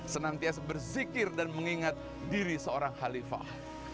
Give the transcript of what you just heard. senantias bersikir dan mengingat diri seorang halifah